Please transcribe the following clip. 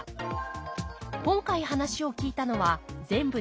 今回話を聞いたのは全部で９人。